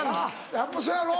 やっぱそやろ？